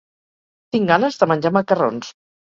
Tinc ganes de menjar macarrons.